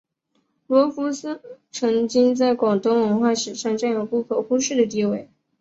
罗浮山曾经在广东文化史上占有不可忽视的地位。